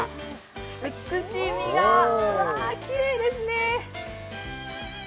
美しい実が、きれいですね。